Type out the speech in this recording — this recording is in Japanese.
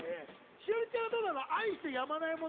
栞里ちゃんはどうなの？